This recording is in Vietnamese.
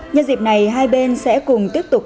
nhân dịp này hai bên sẽ cùng tiếp tục